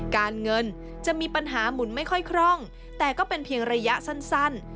การเงินจะมีปัญหาหมุนไม่ค่อยคร่องแต่ก็เป็นเพียงระยะสั้น